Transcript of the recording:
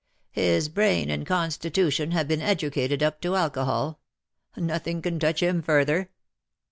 His brain and constitution have been educated up to alcohol. Nothing can touch him further."